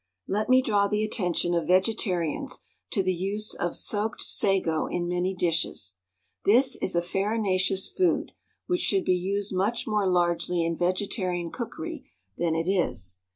Let me draw the attention of vegetarians to the use of soaked sago in many dishes. This is a farinaceous food which should be used much more largely in vegetarian cookery than it is.